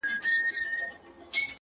له هري غیږي له هر یاره سره لوبي کوي؛